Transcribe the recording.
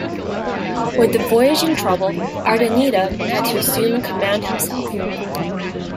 With the voyage in trouble, Urdaneta had to assume command himself.